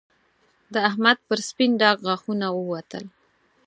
د احمد پر سپين ډاګ غاښونه ووتل